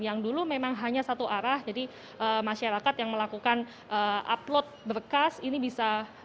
yang dulu memang hanya satu arah jadi masyarakat yang melakukan upload berkas ini bisa